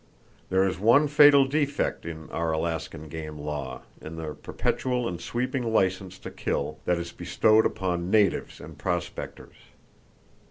There is one fatal defect in our Alaskan game law, in the perpetual and sweeping license to kill, that is bestowed upon "natives" and "prospectors."